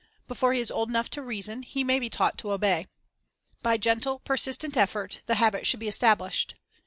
Before he is old enough to reason, he may be taught to obey. By gentle, persist ent effort, the habit should be established.